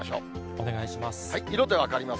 お願いします。